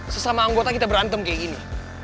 sesama anggota kita berantem kayak gini